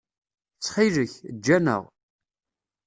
Ttxil-k, eǧǧ-aneɣ.